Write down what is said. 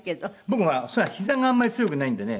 僕はひざがあんまり強くないんでね。